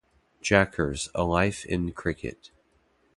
"Jackers: A Life in Cricket".